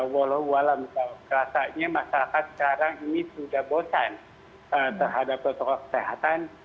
walau walau rasanya masyarakat sekarang ini sudah bosan terhadap protokol kesehatan